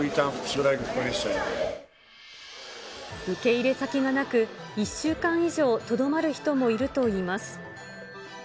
受け入れ先がなく、１週間以上とどまる人もいるといいます。